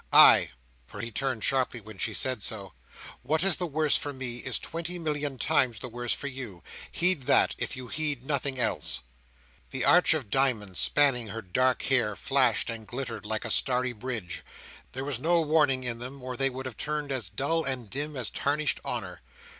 "Ay!" for he turned sharply when she said so, "what is the worse for me, is twenty million times the worse for you. Heed that, if you heed nothing else." The arch of diamonds spanning her dark hair, flashed and glittered like a starry bridge. There was no warning in them, or they would have turned as dull and dim as tarnished honour.